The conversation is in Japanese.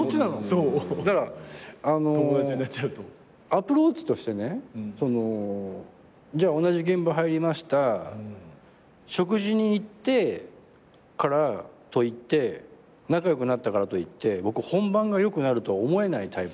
アプローチとしてね同じ現場入りました食事に行ったからといって仲良くなったからといって僕本番が良くなるとは思えないタイプだから。